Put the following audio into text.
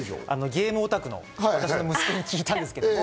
ゲームオタクの私の息子に聞いたんですけど